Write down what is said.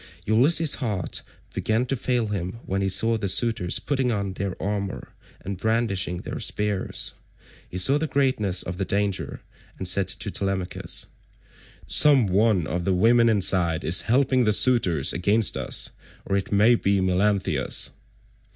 Ulysses' heart began to fail him when he saw the suitors171 putting on their armour and brandishing their spears. He saw the greatness of the danger, and said to Telemachus, "Some one of the women inside is helping the suitors against us, or it may be Melanthius."